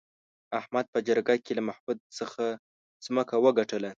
احمد په جرگه کې له محمود څخه ځمکه وگټله